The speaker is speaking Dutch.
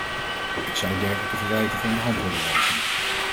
Ik zou dergelijke verwijten van de hand willen wijzen.